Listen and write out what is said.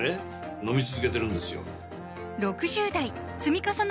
飲み続けてるんですよ